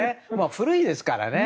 古いですからね。